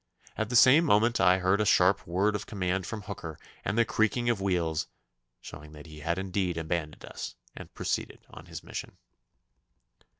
At the same moment I heard a sharp word of command from Hooker and the creaking of wheels, showing that he had indeed abandoned us and proceeded on his mission.